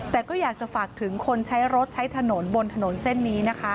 แต่ก็อยากจะฝากถึงคนใช้รถใช้ถนนบนถนนเส้นนี้นะคะ